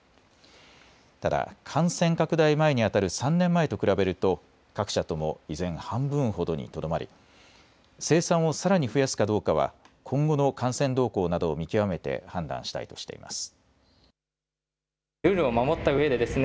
ただ感染拡大前にあたる３年前と比べると各社とも依然、半分ほどにとどまり生産をさらに増やすかどうかは今後の感染動向などを見極めて判断したいとしています。